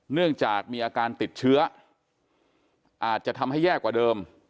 เนื่องจากมีอาการติดเชื้ออาจจะทำให้แย่กว่าเดิม